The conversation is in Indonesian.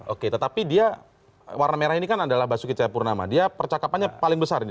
oke tetapi dia warna merah ini kan adalah basuki cahayapurnama dia percakapannya paling besar